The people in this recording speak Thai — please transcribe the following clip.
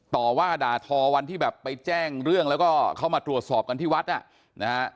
ต่อว่าด่าทอวันที่แบบไปแจ้งเรื่องแล้วก็เข้ามาตรวจสอบกันที่วัดอ่ะนะฮะ